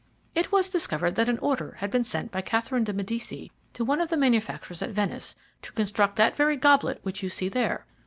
It was discovered that an order had been sent by Catherine de Medici to one of the manufacturers at Venice to construct that very goblet which you see there.